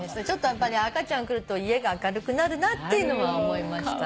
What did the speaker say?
やっぱり赤ちゃん来ると家が明るくなるなっていうのは思いました。